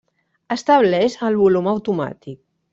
Estableix el volum automàtic.